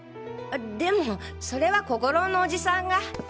でもそれは小五郎のおじさんが。